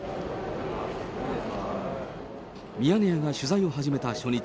ミヤネ屋が取材を始めた初日。